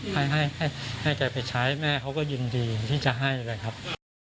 ให้ให้แกไปใช้แม่เขาก็ยินดีที่จะให้เลยครับ